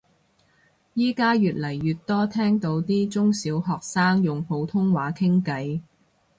而家越嚟越多聽到啲中小學生用普通話傾偈